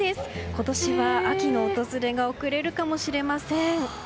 今年は秋の訪れが遅れるかもしれません。